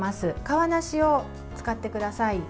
皮なしを使ってください。